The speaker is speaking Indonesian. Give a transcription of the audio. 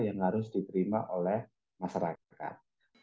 yang harus diterima oleh masyarakat